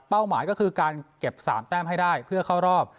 หมายก็คือการเก็บ๓แต้มให้ได้เพื่อเข้ารอบ